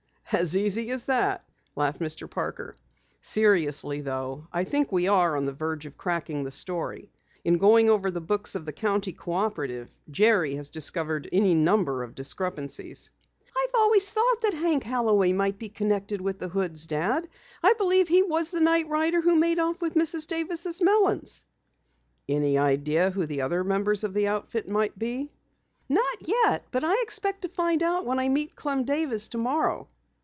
"As easy as that?" laughed Mr. Parker. "Seriously though, I think we are on the verge of cracking the story. In going over the books of the County Cooperative, Jerry has discovered any number of discrepancies." "I've always thought that Hank Holloway might be connected with the Hoods, Dad! I believe he was the night rider who made off with Mrs. Davis' melons." "Any idea who the other members of the outfit may be?" "Not yet, but I expect to find out when I meet Clem Davis tomorrow."